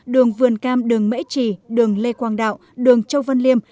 đường vườn cam đường mễ trì đường lê quang đạo đường châu văn liêm